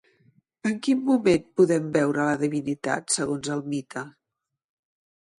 En quin moment podem veure la divinitat, segons el mite?